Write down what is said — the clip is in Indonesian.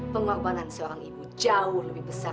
pengorbanan seorang ibu jauh lebih besar